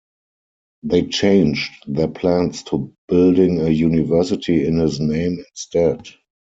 They changed their plans to building a university in his name instead.